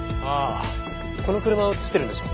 この車を映してるんでしょうね。